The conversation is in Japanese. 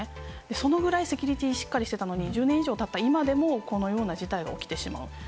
そのぐらいセキュリティーしっかりしてたのに、１０年以上たった今でも、このような事態が起きてしまう。